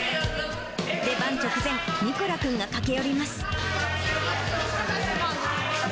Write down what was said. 出番直前、ミコラ君が駆け寄ります。